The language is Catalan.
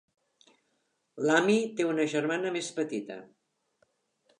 L'Amy té una germana més petita.